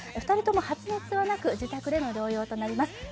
２人とも発熱はなく、自宅での療養となります。